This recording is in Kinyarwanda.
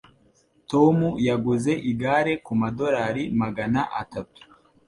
Tom yaguze igare kumadorari magana atatu.